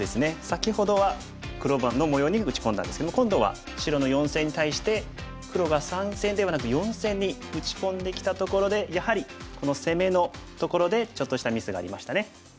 先ほどは黒番の模様に打ち込んだんですけども今度は白の４線に対して黒が３線ではなく４線に打ち込んできたところでやはりこの攻めのところでちょっとしたミスがありましたね。